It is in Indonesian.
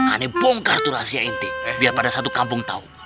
aneh bongkar itu rahasia inti biar pada satu kampung tahu